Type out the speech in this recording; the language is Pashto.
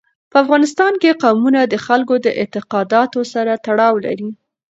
په افغانستان کې قومونه د خلکو د اعتقاداتو سره تړاو لري.